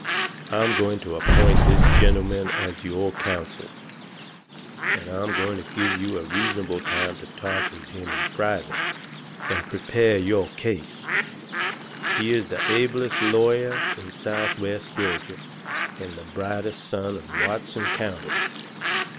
I'm goin' to appoint this gentleman as your counsel, and I'm goin' to give you a reasonable time to talk with him in private and prepare your case. He is the ablest lawyer in southwest Georgia and the brightest son of Watson County."